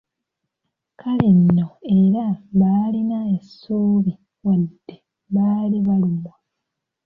Kale nno era baalina essuubi wadde baali balumwa.